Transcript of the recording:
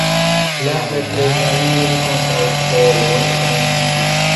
La reprezalioj kontraŭ poloj komenciĝis.